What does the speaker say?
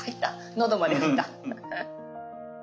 喉まで入った。